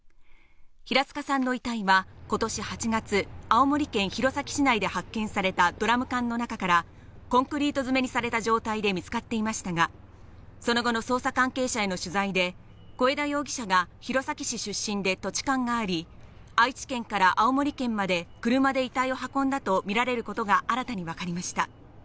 平塚さんの遺体は今年８月、青森県弘前市内で発見されたドラム缶の中から、コンクリート詰めにされた状態で見つかっていましたが、その後の捜査関係者への取材で、小枝容疑者が弘前市出身で土地勘があり、愛知県から青森県まで車で遺体を運んだとみられることが新たに分かりました。